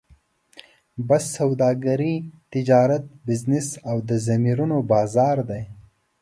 بس سوداګري، تجارت، بزنس او د ضمیرونو بازار دی.